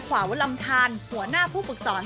ขวาวลำทานหัวหน้าผู้ฝึกสอน